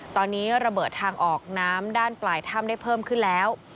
ตอนนี้ระเบิดทางออกน้ำด้านปลายถ้ำได้เพิ่มขึ้นแล้ว